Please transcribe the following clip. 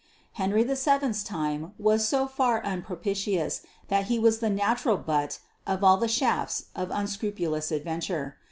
Henry VII's time was so far unpropitious that he was the natural butt of all the shafts of unscrupulous adventure.